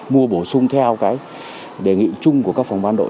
mua bổ sung theo cái đề nghị chung của các phòng ban đội